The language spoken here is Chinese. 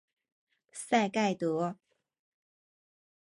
赛盖德。